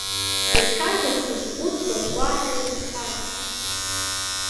Иахьарнахыс уӡбахә уаҳа ирымҳәарц.